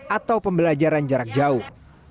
atau pembelajaran jarak jauh